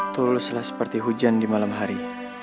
tuluslah seperti hujan di malam hari